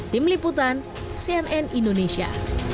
tim liputan cnn indonesia